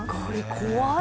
怖い。